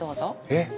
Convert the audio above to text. えっ？